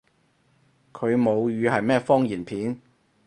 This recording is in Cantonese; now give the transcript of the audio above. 佢母語係咩方言片？